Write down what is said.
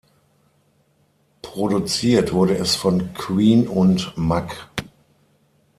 Produziert wurde es von Queen und Mack.